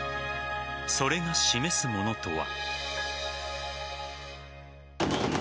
それが示すものとは。